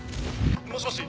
もしもし？